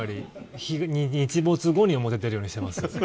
日没後に表に出るようにしてます。